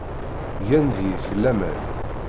Gan deg-k laman.